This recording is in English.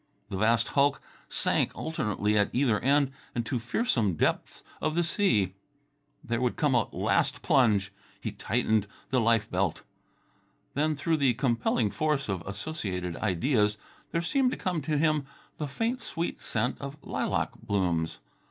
The vast hulk sank alternately at either end, and to fearsome depths of the sea. There would come a last plunge. He tightened the life belt. Then, through the compelling force of associated ideas, there seemed to come to him the faint sweet scent of lilac blossoms